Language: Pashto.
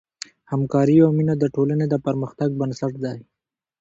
همکاري او مینه د ټولنې د پرمختګ بنسټ دی.